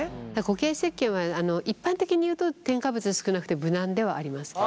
固形せっけんは一般的にいうと添加物少なくて無難ではあります。